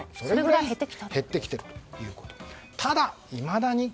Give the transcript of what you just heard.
それぐらい減ってきているということです。